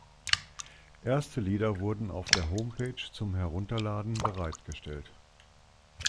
Erste Lieder wurden auf der Homepage zum Herunterladen bereitgestellt.